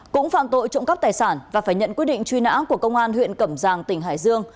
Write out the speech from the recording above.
cũng phạm tội trộm cắp tài sản và phải nhận quyết định truy nã của công an huyện cẩm giang tỉnh hải dương